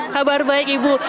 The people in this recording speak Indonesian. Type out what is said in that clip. kabar baik ibu